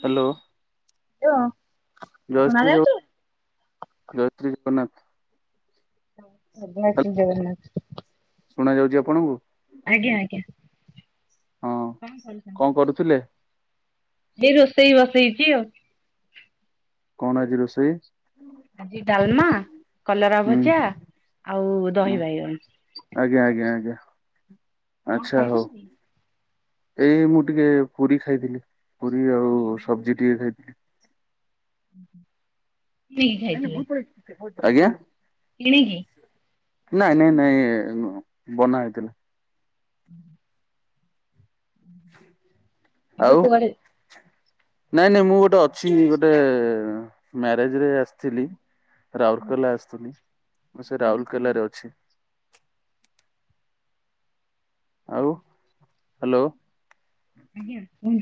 Hello? ହଁ। ଜୟଶ୍ରୀ ଜଗନ୍ନାଥ। ଜୟଶ୍ରୀ ଜଗନ୍ନାଥ। ଜୟ ଶ୍ରୀ ହ୍ୟାଲୋ ଜଗନ୍ନାଥ। ଶୁଣା ଯାଉଛି ଆପଣଙ୍କୁ? ଆଜ୍ଞା ଆଜ୍ଞା ହଁ କଣ କଣ କରୁଛନ୍ତି? କରୁଥିଲେ। ଏଇ ରୋଷେଇ ବସେଇଛି ଆଉ। କଣ ଆଜି ରୋଷେଇ? ଆଜି ଡାଲମା କଲରା ହୁଁ ଭଜା ଆଉ ଦହି ବାଇଗଣ। ଆଜ୍ଞା ଆଜ୍ଞା ଆଜ୍ଞା କଣ ଆଚ୍ଛା ହଉ। ଖାଇଛନ୍ତି? ଏଇ ମୁଁ ଟିକେ ପୁରୀ ଖାଇଥିଲି ପୁରୀ ଆଉ ସବଜି ଟିକେ ଖାଇଥିଲି। ହୁଁ ହୁଁ ନାଇ ନାଇ ଭୁତ୍ ପଳେଇଛି ଆଜ୍ଞା। କିଣିକି? ନାଇଁ ନାଇଁ ନାଇଁ ନୁହଁ ବନା ହେଇଥିଲା। ହୁଁ ଏବେ ଆଉ କୁଆଡେ ନାଇଁ ନାଇଁ ମୁଁ ଗୋଟେ ଅଛି ଗୋଟେ ମ୍ୟାରେଜ ରେ ଆସିଥିଲି। ରାଉରକେଲା ଆସୁଥିଲଥିଲି ମୁଁ ସେ ରାଉରକେଲାରେ ଅଛି। ଆଉ ହ୍ୟାଲୋ। ଆଜ୍ଞା ହୁଁ।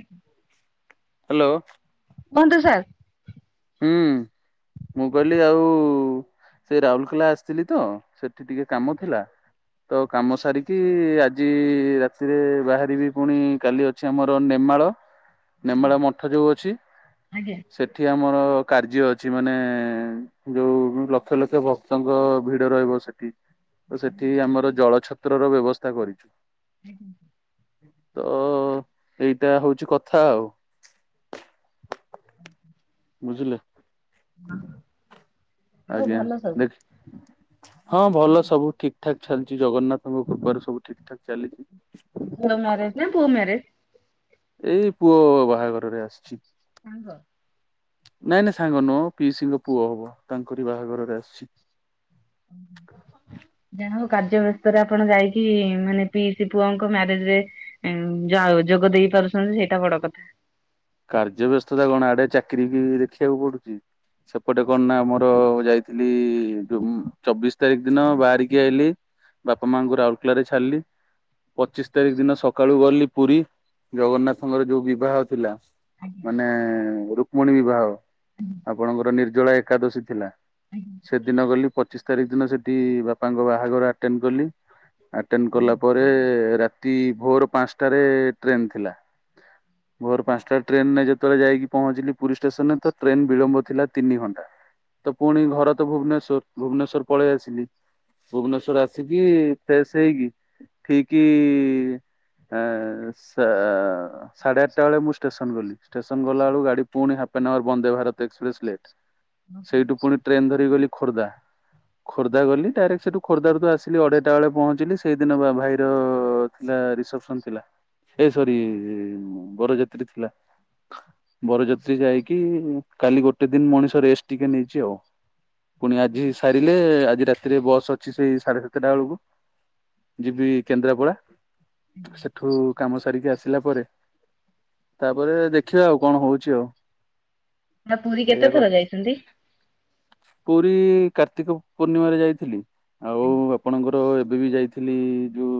ହ୍ୟାଲୋ। କୁହନ୍ତୁ ସାର୍। ହୁଁ ମୁଁ କହିଲି ଆଉ ସେ ରାଉଲକେଲା ଆସିଥିଲି ତ ସେ ଏଠି ଟିକେ କାମ ଥିଲା। ତ କାମ ସାରିକି ଆଜି ରାତିରେ ବାହାରିବି ପୁଣି କାଲି ଅଛି ଆମର ନେମାଳ ନେମାଳ ଆଜ୍ଞା ମଠ ଯୋଉ ଅଛି ଆଜ୍ଞା ସେ ମୋର କାର୍ଯ୍ୟ ଅଛି ମାନେ ଯୋଉ ଲକ୍ଷ ଲକ୍ଷ ଭକ୍ତଙ୍କ ଭିଡ ରହିବ ସେଠି ତ ସେଠି ଆମର ଜଳ ଛତ୍ରର ବ୍ୟବସ୍ଥା କରିଛୁ। ହେ ତ ଏଇଟା ହଉଛି କଥା ଆଉ ବୁଝିଲେ? ହଁ ଆଜ୍ଞା ଦେଖ ହଁ ଭଲ ସବୁ ଠିକ ଠାକ ଚାଲିଛି ଜଗନ୍ନାଥଙ୍କ କୃପାରୁ ସବୁ ଠିକ୍ ଠାକ୍ ଚାଲି ଝିଅ ମ୍ୟାରେଜ ନା ପୁଅ ମ୍ୟାରେଜ? ଏଇ ପୁଅ ବାହାଘରରେ ଆସିଛି। ସାଙ୍ଗ? ନାଇଁ ନାଇଁ ସାଙ୍ଗ ନୁହଁ ପିଇସିଙ୍କ ପୁଅ ହବ ତାଙ୍କରି ବାହାଘରରେ ଆସିଛି। ଜଣ ଙ୍କ କାର୍ଯ୍ୟ ବ୍ୟସ୍ତରେ ଆପଣ ଯାଇକି ମାନେ ପିଇସି ପୁଅଙ୍କ ମ୍ୟାରେଜ ରେ ଉଁ ଯାହା ହଉ ଯୋଗ ଦେଇ ପାରୁଛନ୍ତି ସେଇଟା ବଡ କଥା। କାର୍ଯ୍ୟ ବ୍ୟସ୍ତତା କଣ ଆଡେ ଚାକିର ବି ଦେଖିବାକୁ ପଡୁଛି। ସେପଟେ କଣ ନା ଆମର ଯାଇଥିଲି ଯୁ ଚବିଶ ତାରିଖ ଦିନ ବାହାରିକି ଆଇଲିି। ବାପା ମାଆଙ୍କୁ ରାଉରକେଲା ଛାଡିଲି। ପଚିଶ ତାରିଖ ଦିନ ସକାଳୁ ଗଲି ପୁରୀ ଜଗନ୍ନାଥଙ୍କର ଯୋଉ ବିବାହ ଥିଲା। ଆଜ୍ଞା ମାନେ ରୁକ୍ମଣୀ ବିବାହ ଆପଣଙ୍କର ନିର୍ଜଳା ଏକାଦଶୀ ଥିଲା। ସେଦିନ ଗଲି ପଚିଶ ତାରିଖ ଦିନ ସେଠି ବାପାଙ୍କ ବାହାଘର ଆଟେଣ୍ଡ କଲି ଆଟେଣ୍ଡ କଲା ପରେ ରାତି ଭୋର ପାଞ୍ଚଟାରେ ଟ୍ରେନ ଥିଲା। ଭୋର ପାଞ୍ଚଟା ଟ୍ରେନରେ ଯେତେବେଳେ ଯାଇକି ପହଞ୍ଚିଲି ପୁରି ଷ୍ଟେସନ ରେ ତ ଟ୍ରେନ ବିଳମ୍ବ ଥିଲା ତିନି ଘଣ୍ଟା। ତ ପୁଣି ଘର ତ ଭୁବନେଶ୍ୱର ଭୁବନେଶ୍ଵର ପଳେଇ ଆସିଲି। ଭୁବନେଶ୍ଵର ଆସିକି ଫେସ୍ ହେଇକି ଠିକ ଏ ସା ସାଢ଼େ ଆଠଟା ବେଳେ ମୁଁ ଷ୍ଟେସନ ଷ୍ଟେସନ ଗଲାବେଳୁ ଗାଡି ପୁଣି half an hour Vande Bharat express late ଆଜ୍ଞା ସେଇଠୁ ପୁଣି ଟ୍ରେନ ଧରିିକି ଗଲି ଖୋର୍ଦ୍ଧା ଖୋର୍ଦ୍ଧା ଗଲି ଡାଇରେକ୍ଟ ସେଠୁ ଖୋର୍ଦ୍ଧାରୁ ତୁ ଆସିଲି ଅଢେଇଟା ବେଳେ ପହଞ୍ଚିଲି ସେଇଦିନ ବା ଭାଇର ଥିଲା ରିସେପସନ ଥିଲା ଏ ସରି ଉଁ ବରଯାତ୍ରୀ ଥିଲା। ବରଯାତ୍ରୀ ଯାଇକି କାଲି ଗୋଟେ ଦିନ ମଣିଷ ରେଷ୍ଟ ଟିକେ ନେଇଛି ଆଉ ପୁଣି ଆଜି ସାରିଲେ ଆଜି ରାତିରେ ବସ୍ ଅଛି ସେଇ ସାଢେ ସାତଟା ବେଳକୁ। ଯିବି କେନ୍ଦ୍ରାପଡା ସେଠୁ କାମ ସାରିକି ଆସିଲା ପରେ। ତାପରେ ଦେଖିବା ଆଉ କଣ ହଉଛି ଆଉ? ଆଉ ପୁରୀ ଏଇଆ କେତେ ଥର କଥା ଯାଇଛନ୍ତି? ପୁରୀ କାର୍ତ୍ତିକ ପୂର୍ଣ୍ଣିମାରେ ଯାଇଥିଲି। ଆଉ ଆପଣଙ୍କର ଏବେ ବି ଯାଇଥିଲି ଯୋଉ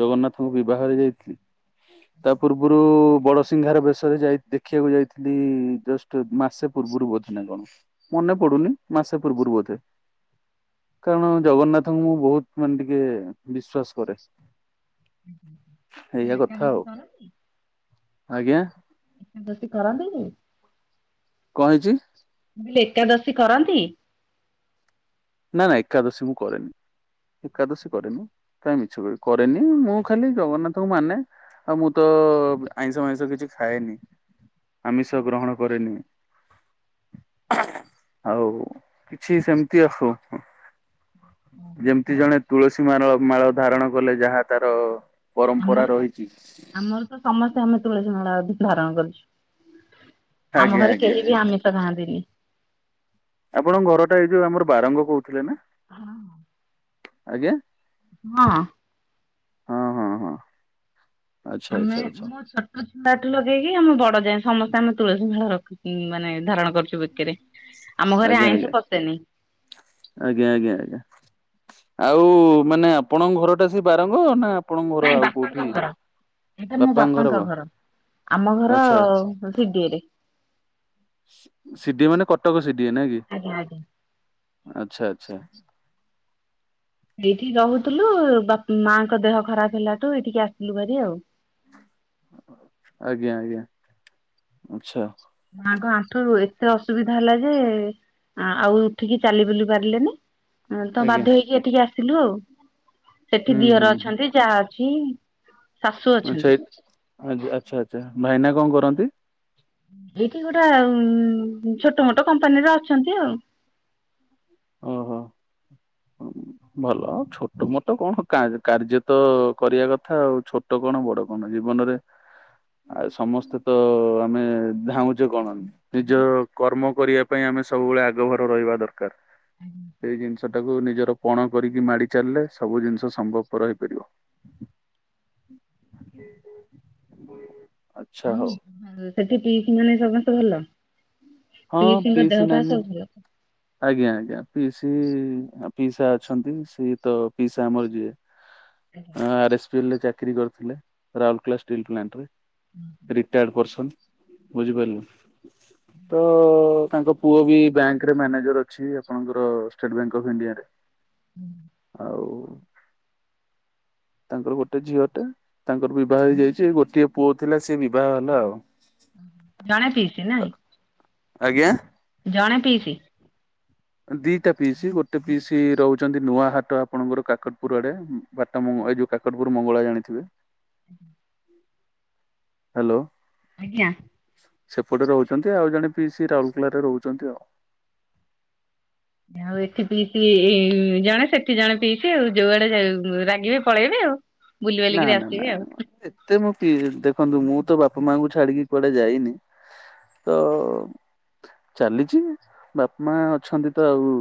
ଜଗନ୍ନାଥଙ୍କ ବିବାହରେ ଯାଇଥିଲି। ତା ପୂର୍ବରୁ ବଡସିିଂହାର ବେଶରେ ଯାଇ ଦେଖିବାକୁ ଯାଇଥିଲି ଜଷ୍ଟ ତେ ମାସେ ପୂର୍ବରୁ ବୋଧେ ନା କଣ ମନେ ପଡୁନି ମାସେ ପୂର୍ବରୁ ବୋଧେ କାରଣ ଜଗନ୍ନାଥଙ୍କୁ ମୁଁ ବହୁତ ମାନେ ଟିକେ ବିଶ୍ଵାସ କରେ। ଏଇଆ କଥା ଏକାଦଶୀ ଆଉ କରନ୍ତି? ଆଜ୍ଞା। [unintelligible] କରନ୍ତି। କଣ ହେଇଛି? ଲି ଏକାଦଶୀ କରନ୍ତି? ନା ନା ଏକାଦଶୀ ମୁଁ କରେନି ଏକାଦଶୀ କରେନି କାଇଁ ମିଛ କହିବି କରେନି ମୁଁ ଖାଲି ଜଗନ୍ନାଥଙ୍କୁ ମାନେ ହଁ ମୁଁ ତ ଆଇଁଷ ମାଇଁଷ କିଛି ଖାଏନି। ଆମିଷ ଗ୍ରହଣ କରେନି। ଆଉ କିଛି ସେମିତି ହୋ। ଯେମିତି ଜଣେ ତୁଳସୀ ମାର ମାଳ ଧାରଣ କଲେ ଯାହା ତାର ଆମର ପରମ୍ପରା ତ ରହିଚି। ଆମର ତ ସମସ୍ତେ ଆମେ ତୁଳସୀ ମାଳା ଧାରଣ କରିଛୁ ଆମ ଆଜ୍ଞା ଘରେ ଆଜ୍ଞା କେହି ବି ଆମି ଷ ଖାଆନ୍ତିିନି। ଆପଣଙ୍କ ଘରଟା ଏଇ ଯୋଉ ଆମର ବାରଙ୍ଗ କହୁଥିଲେ ନା। ହଁ। ଆଜ୍ଞା। ହଁ। ହଁ ହଁ ହଁ। ଆଚ୍ଛା ଆଚ୍ଛା ଆମେ ଆଚ୍ଛା ମୋ ଛ [unintelligible] ଛୁଆଠୁ ଲଗେଇକି ଆମେ ବଡ ଯାଏ ସମସ୍ତେ ଆମେ ତୁଳସୀ ମାଳ ଉଁ ମାନେ ଧାରଣ କରିଚୁ ବେକେରେ। ଆମ ଘରେ ଆଜ୍ଞା ଆଇଁଷ ଆଜ୍ଞା ପଶେନି। ଆଜ୍ଞା ଆଜ୍ଞା ଆଜ୍ଞା। ଆଉ ମାନେ ଆପଣଙ୍କ ଘରଟା ସେ ବାରଙ୍ଗ ନା ଆପଣଙ୍କ ଘର ନାଇଁ ଆଉ ବାପାଙ୍କ କୋଉଠି? ଘର। ଏଇଟା ମୋ ବାପାଙ୍କ ଘର ଆମ ଘର ଆଚ୍ଛା ସି ଡି ଏ ରେ। ସି ସି ଡି ଏ ମାନେ କଟକ ସି ଡି ଏ ନାଇଁ କି? ଆଜ୍ଞା ଆଜ୍ଞା। ଆଚ୍ଛା ଆଚ୍ଛା। ଏଇଠି ରହୁଥୁଲୁ ବାପ୍ ମାଙ୍କ ଦେହ ଖରାପ ହେଲାଠୁ ଏଠିକି ଆସିଲୁ ଭାରି ଆଉ। ଆଜ୍ଞା ଆଜ୍ଞା ଅଚ୍ଛା। ମାଙ୍କ ଆଣ୍ଠୁ ଏତେ ଅସୁବିଧା ହେଲା ଯେ ଆଉ ଉଠିକି ଚାଲି ବୁଲି ପାରିଲେନି। ଅଁ ତ ଆଜ୍ଞା ବାଧ୍ୟ ହେଇକି ଏଠିକି ଆସିଲୁ ଆଉ ସେଠି ହୁଁ ଦିଅର ହୁଁ। ଅଛନ୍ତି। ଚା ଅଛି। ଶାଶୁ ଆଚ୍ଛା ଅଛନ୍ତି। ଏକ୍ ଆଜ୍ ଆଛା ଆଛା ଭାଇନା କଣ କରନ୍ତି? ଏଇଠି ଗୋଟା ଉଁ ଛୋଟ ମୋଟ କମ୍ପାନୀରେ ଅଛନ୍ତି ଆଉ। ଓହୋ। ଭଲ ଛୋଟ ମୋଟ କଣ କା କାର୍ଯ୍ୟ ତ କରିବା କଥା ଆଉ ଛୋ ଛୋଟ କଣ ବଡ କଣ ଜୀବନରେ ଆଉ ସମସ୍ତେ ତ ଆମେ ଧାଉଁଚେ କଣ ନିଜ କର୍ମ କରିବା ପାଇଁ ଆମେ ସବୁବେଳେ ଆଗଭର ରହିବା ଦରକାର। ଏଇ ଜିନିଷଟାକୁ ନିଜର ପଣ କରିକି ମାଡି ଚାଲିଲେ ସବୁ ଜିନିଷ ସମ୍ଭବପର ହେଇପାରିବ। ଆଛା ହଉ। [unintelligible] ସେଠି ପିଇସିମାନେ ସମସ୍ତେ ଭଲ ହଁ ପିଇସିଙ୍କ ପିଇସି ଦେହ ପା ନାନୀ ସବୁ ଭଲ। ଆଜ୍ଞା ଆଜ୍ଞା ପିଇସି ଆ ପିଇସା ଅଛନ୍ତି ସିଏ ତ ପିଇସା ଆମର ଯିଏ ଆର୍ ଏସ୍ ପି ଏଲ୍ ରେ ଚାକିରି କରିଥିଲେ ରାଉଲକେଲା ଷ୍ଟିଲ ପ୍ଲାଣ୍ଟରେ। ହୁଁ ହୁଁ ରିଟାର୍ଡ ପର୍ସନ ବୁଝିପାରିଲେ ତ ତାଙ୍କ ପୁଅ ବି ବ୍ୟାଙ୍କ୍ ରେ ମ୍ୟାନେଜର ଅଛି ଆପଣଙ୍କର ଷ୍ଟେଟ୍ ବ୍ୟାଙ୍କ ଅଫ୍ ଇଣ୍ଡିଆରେ। ହୁଁ। ଆଉ ତାଙ୍କର ଗୋଟେ ଝିଅଟେ ତାଙ୍କର ବିଭା ହେଇଯାଇଚି ଏଇ ଗୋଟିଏ ପୁଅ ଥିଲା ସିଏ ବିବାହ ହେଲା ଆଉ। ଜଣେ ପିଇସି ନାଇଁ। ଆଜ୍ଞା। ଜଣେ ପିଇସି। ଦିଟା ପିଇସି ଗୋଟେ ପିଇସି ରହୁଚନ୍ତି ନୂଆହାଟ ଆପଣଙ୍କର କାକଟପୁର ଆଡେ। ବାଟ ମଙ୍ଗ ଏଇ ଯୋଉ କାକଟପୁର ମଙ୍ଗଳା ଜାଣିଥିବେ। [inaudible] ହାଲୋ। ଆଜ୍ଞା। ସେପଟେ ରହୁଛନ୍ତି ଆଉ ଜଣେ ପିଇସି ରାଉରକେଲାରେ ରହୁଛନ୍ତି ଆଉ। ଆଉ ଏଠି ପିଇସି ଏ ଜଣେ ସେଠି ଜଣେ ପିଇସି ଆଉ ଯୋଉଆଡେ ର ରାଗିବେ ପଳେଇବେ ଆଉ। ବୁଲ ବାଲିିକିରି ଆସିବେ ଆଉ। ମତେ ମୁଁ ପି ଦେଖନ୍ତୁ ମୁଁ ତ ବାପା ମାଆଙ୍କୁ ଛାଡିକି କୁଆଡେ ଯାଇନି। ତ ଚାଲିଛି ବାପା ମା ଅଛନ୍ତି ତ ଆଉ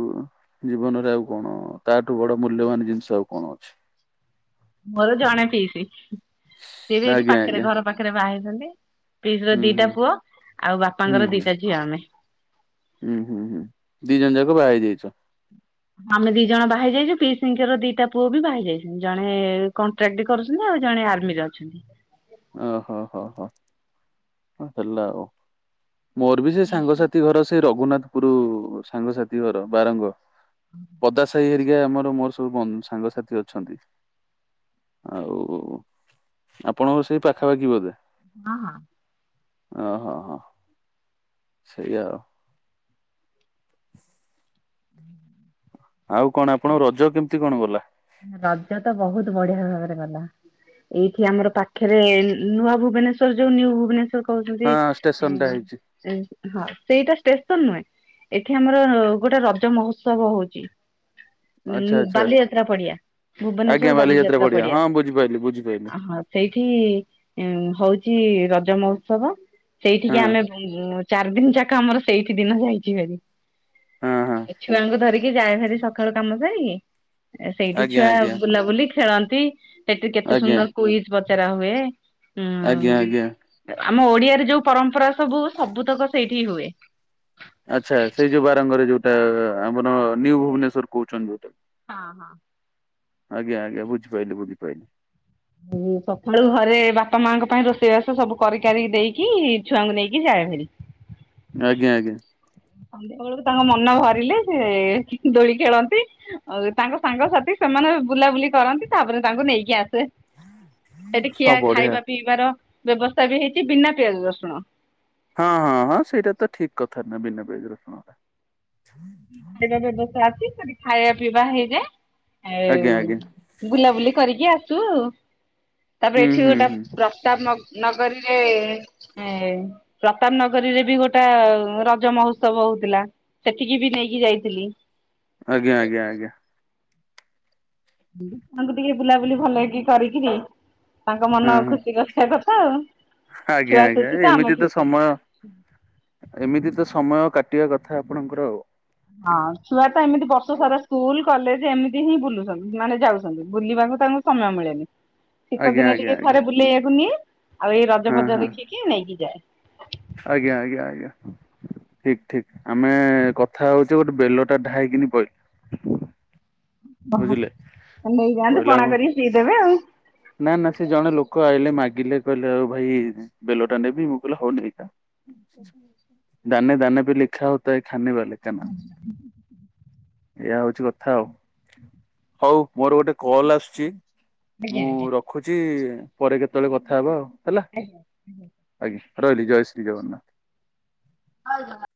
ଜୀବନରେ ଆଉ କଣ ତାଠୁ ବଡ ମୂଲ୍ୟବାନ ଜିନିଷ ଆଉ କଣ ଅଛି। ମୋର ଜଣେ ପିଇସି ସିଏ ସେଇଠି ଆଜ୍ଞା ପାଖରେ ଆଜ୍ଞା ଘର ପାଖରେ ବାହା ହେଇଛନ୍ତି। ପିଇସୀ ର ହୁଁ ହୁଁ। ଦିଟା ପୁଅ ଆଉ ହୁଁ ବାପାଙ୍କର ହୁଁ ଦିଟା ଝିଅ ଆମେ। ହୁଁ ହୁଁ ହୁଁ ଦି ଜଣ ଯାକ ବାହା ହେଇ ଯାଇଛ। ଆମେ ଦି ଜଣ ବାହା ହେଇ ଯାଇଛୁ ପିଇସିଙ୍କର ଦିଟା ପୁଅ ବି ବାହା ହେଇଯାଇଚନ୍ତି ଜଣେ କ ଟ୍ରେଡି କରୁଛନ୍ତି ଆଉ ଜଣେ ଆର୍ମିରେ ଅଛନ୍ତି। ଓ ହୋ ହୋ ହୋ ହେଲ ଆଉ। ମୋର ବି ସେଇ ସାଙ୍ଗସାଥି ଘର ସେଇ ରଘୁନାଥପୁର ସାଙ୍ଗସାଥି ଘର ବାରଙ୍ଗ। ପଦା ସାହି ହେରିକା ଆମର ମୋର ସୁ ବ ସାଙ୍ଗସଥି ଅଛନ୍ତି ଆଉ ଆପଣଙ୍କ ସେ ସେଇ ପାଖାପାଖି ବୋଧେ। ହଁ ହଁ। ଓହୋ ହୋ। ସେଇଆ ଆଉ। ହୁଁ ଆଉ କଣ ଆପଣଙ୍କ ରଜ କେମିତି କଣ ଗଲା। ରଜ ତ ବହୁତ ବଢିଆ ଭାବରେ ଗଲା। ଏଇଠି ଆମର ପାଖରେ ନୂଆ ଭୁବନେଶ୍ଵର ଯୋଉ ନିଉ ଭୁବନେସ୍ୱର କହୁଛନ୍ତି ହଁ ଷ୍ଟେସନ ଟା ଉଁ ହେଇଛି ସେ ହଁ ସେଇଟା ଷ୍ଟେସନ ନୁହେଁ ଏଠି ଆମର ଗୋଟେ ରଜ ମହୋତ୍ସବ ହଉଛି। ଉ ଆଚ୍ଛା ଆଚ୍ଛା ବାଲିଯାତ୍ରା ପଡିଆ ଆଜ୍ଞା ଭୁବନେଶ୍ୱର ବାଲିଯାତ୍ରା ପଡିଆ ହଁ ବୁଝିପାରିଲି ବୁଝିପାରିଲି ପଡିଆ। ହଁ ସେଇଠି ହଉଚି ରଜ ମହୋତ୍ସବ। ହଁ ସେଇଠିକି ଆମେ ଚାରି ଦିନ ଯାକ ଆମର ସେଇଠି ଦିନ ଯାଇଛି ଭାରି। ହଁ ହଁ ଛୁଆଙ୍କୁ ଧରିକି ଯାଏ ଫାରି ସକାଳୁ କାମ ଯାଇ ସେଇଠି ଆଜ୍ଞା ଛୁଆ ଆଜ୍ଞା। ବୁଲାବୁଲି ଖେଳନ୍ତି ସେଠିରେ କେତେ ଆଜ୍ଞା ସୁନ୍ଦର କୁଇଜ ପଚରା ହୁଏ। ଆଜ୍ଞା ହଁ ଆଜ୍ଞା। ଆମ ଓଡିଆରେ ଯୋଉ ପରମ୍ପରା ସବୁ ସବୁତକ ସେଇଠି ହୁଏ। ଆଚ୍ଛା ସେଇ ଯୋଉ ବାରଙ୍ଗରେ ଯୋଉଟା ଆମର ନିୁ ଭୁବନେଶ୍ଵର କହୁଛନ୍ତି ଯୋଉଟା। ହଁ ହଁ ଆଜ୍ଞ ଆଜ୍ଞ ବୁିଝି ପାଇଲି ବୁଝି ପାଇଲି। ସକାଳୁ ଘରେ ବାପା ମାଙ୍କ ପାଇଁ ରୋଷେଇବାସ ସବୁ କରିିକିକି ଦେଇକି ଛୁଆଙ୍କୁ ନେଇକି ଯାଏ ଭାରି। ଆଜ୍ଞା ଆଜ୍ଞା ସନ୍ଧ୍ୟା ବେଳକୁ ତାଙ୍କ ମନ ଭରିଲେ ସେ ଦୋଳି ଖେଳନ୍ତି। ଆଉ ତାଙ୍କ ସାଙ୍ଗସାଥି ସେମାନେ ବୁଲାବୁଲି କରନ୍ତି ତାପରେ ତାଙ୍କୁ ନେଇକି ଆସେ। ହଁ ହ ସେଠି ଖିଆ ଖାଇବା ପିଇବାର ବ୍ୟବସ୍ଥା ବି ହେଇଛି ବିନା ପିଆଜ ରସୁଣ। ହଁ ହଁ ହଁ ସେଇଟା ତ ଠିକ କଥା ନା ଖାଇବା ବ୍ୟବସ୍ଥା ଅଛି ସେଠି ଖାଇବା ପିଇବା ହେଇଯାଏ ଆଜ୍ଞା ଆଉ ଆଜ୍ଞା ବୁଲାବୁଲି କରିକି ଆସୁ ତାପରେ ହୁଁ ଏଠି ହୁଁ ଗୋଟେ ହୁଁ। ପ୍ରତାପ ନଗରୀରେ ଏ ପ୍ରତାପ ନଗରୀରେ ବି ଗୋଟା ରଜ ମହୋତ୍ସବ ହଉଥିଲା। ସେଥିକି ବି ନେଇକି ଯାଇଥିଲି। ଆଜ୍ଞ ଆଜ୍ଞା ଆଜ୍ଞା ତାଙ୍କୁ ଟିକେ ବୁଲାବୁଲି ଭଲକି କରି କିରି। ତାଙ୍କ ମନ ହଁ ହଁ ଖୁସି କରିବା କଥା ଆଉ ଆଜ୍ଞା ଛୁଆ ଆଜ୍ଞା ଖୁସି ତ ଆମେ ଏମିତି ଖୁସି। ସମୟ ଏମିତି ତ ସମୟ କାଟିବା କଥା ଆପଣଙ୍କର ଆଉ ହଁ ଛୁଆ ତ ଏମିତି ବର୍ଷ ସାରା ସ୍କୁଲ କଲେଜ ଏମିତି ହିଁ ବୁଲୁଛନ୍ତି ମାନେ ଯାଉଛନ୍ତି ବୁଲିବାକୁ ତାଙ୍କୁ ସମୟ ମିଳେନି। ଶୀତ ଆଜ୍ଞା ଦିନେ ଆଜ୍ଞା ଟିକେ ଆଜ୍ଞା ଥରେ ବୁଲେଇବାକୁ ନିଏ ଆଉ ଏଇ ରଜ ହଁ ଫଜ ହଁ ଦେଖିକି ନେଇକି ଯାଏ। ଆଜ୍ଞା ଆଜ୍ଞା ଆଜ୍ଞା। ଠିକ ଠିକ ଆମେ କଥା ହଉଛେ ଗୋଟେ ବେଲ ଟା ଢାଇକିନି ପଇଲା। ଓହୋ ବୁଝିଲେ ନେଇଯାଆନ୍ତୁ ପଇଲା ପଣା କଣ କରିକି ପିଇ ଦେବେ ଆଉ ନା ନା ସେ ଜଣେ ଲୋକ ଆଇଲେ ମାଗିଲେ କହିଲେ ଆଉ ଭାଇ ବେଲଟା ନେବି ମୁଁ କହିଲେ ହଉ ନେଇଯାଆ। ଦାନେ ଦାନେ ବି ଲେଖା ହୋ ତା ହେ ଖାନେ ୱାଲେ କା ନାମ ଏଇୟା ହଉଚି କଥା ଆଉ ହଉ ମୋର ଗୋଟେ କଲ ଆସୁଚି ମୁଁ ର ଖୁଛି ପରେ କେତେବେଳେ କଥା ହେବା ଆଉ ହେଲା। ଆଜ୍ଞା ଆଜ୍ଞା। ଆଜ୍ଞ ରହିଲି ଜୟ ଶ୍ରୀ ଜଗନ୍ନାଥ। [inaudible]